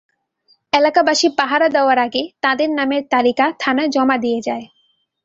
এলাকাবাসী পাহারা দেওয়ার আগে তাদের নামের তালিকা থানায় জমা দিয়ে যায়।